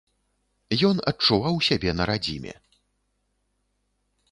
Ён адчуваў сябе на радзіме.